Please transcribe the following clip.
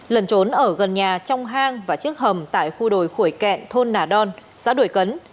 lần trốn ở gần nhà trong hang và chiếc hầm tại khu đồi khuổi kẹn thôn nà đon xã đuổi cấn